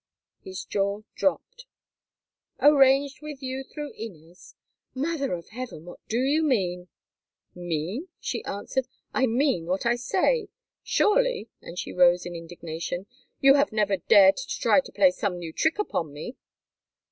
His jaw dropped. "Arranged with you through Inez! Mother of Heaven! what do you mean?" "Mean?" she answered—"I mean what I say. Surely"—and she rose in indignation—"you have never dared to try to play some new trick upon me?"